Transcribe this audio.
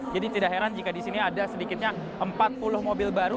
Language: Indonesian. jadi tidak heran jika di sini ada sedikitnya empat puluh mobil baru